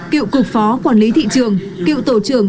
cựu cục phó quản lý thị trường cựu tổ trưởng